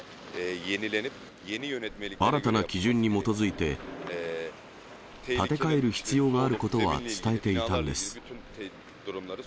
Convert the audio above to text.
新たな基準に基づいて、建て替える必要があることは伝えていたんです。